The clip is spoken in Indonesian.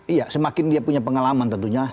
iya semakin dia punya pengalaman tentunya